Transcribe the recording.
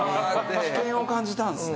危険を感じたんですね。